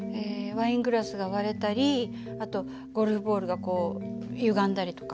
ワイングラスが割れたりあとゴルフボールがこうゆがんだりとか。